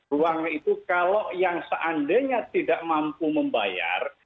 ruang itu kalau yang seandainya tidak mampu membayar